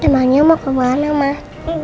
temannya mau kemana mah